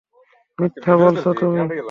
মিথ্যা বলছো তুমি।